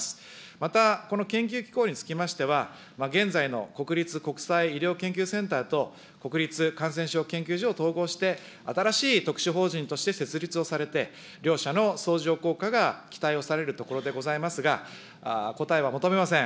また、この研究機構につきましては、現在の国立国際医療研究センターと国立感染症研究所を統合して、新しい特殊法人として設立をされて、両者の相乗効果が期待をされるところでございますが、答えは求めません。